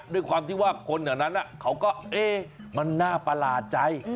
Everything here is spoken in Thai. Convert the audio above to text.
ด้วยความที่ว่าคนแถวนั้นเขาก็เอ๊ะมันน่าประหลาดใจ